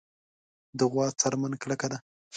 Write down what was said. د غوا څرمن کلکه ده.